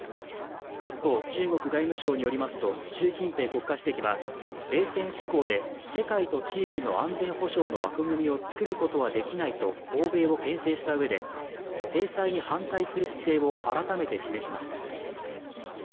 一方、中国外務省によりますと、習近平国家主席は、冷戦思考で、世界と地域の安全保障の枠組みを作ることはできないと欧米を牽制した上で、制裁に反対する姿勢を改めて示しました。